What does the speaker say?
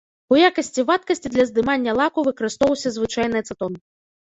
У якасці вадкасці для здымання лаку выкарыстоўваўся звычайны ацэтон.